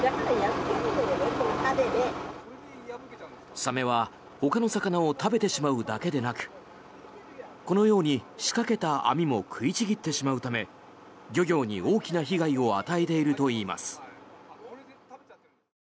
サメはほかの魚を食べてしまうだけでなくこのように仕掛けた網も食いちぎってしまうため漁業に大きな被害を与えているといいます。